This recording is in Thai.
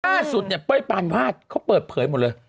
ล่าสุดเนี่ยเป้ยปานวาดเขาเปิดเผยหมดเลย